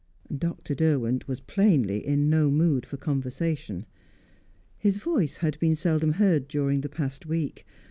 Dr. Derwent was plainly in no mood for conversation. His voice had been seldom heard during the past week.